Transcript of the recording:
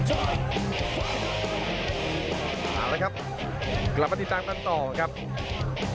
เอาละครับรับปฏิติทางต่อนั้นต่อ